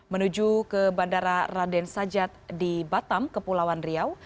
menuju ke bandara raden sajat di batam kepulauan riau